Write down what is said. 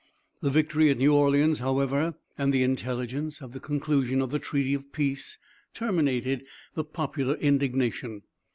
The victory at New Orleans, however, and the intelligence of the conclusion of the treaty of peace, terminated the popular indignation.